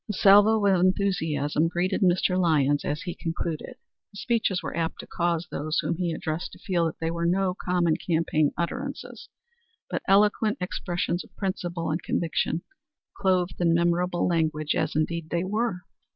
A salvo of enthusiasm greeted Mr. Lyons as he concluded. His speeches were apt to cause those whom he addressed to feel that they were no common campaign utterances, but eloquent expressions of principle and conviction, clothed in memorable language, as, indeed, they were.